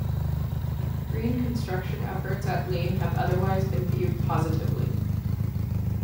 Green construction efforts at Lane have otherwise been viewed positively.